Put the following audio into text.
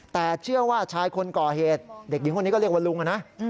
แต่เชื่อว่าชายคนก่อเหตุเด็กหญิงคนนี้ก็เรียกว่าลุงนะ